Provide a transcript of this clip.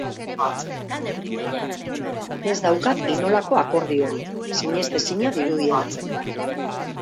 Ez daukat inolako akordiorik, sinestezina dirudien arren.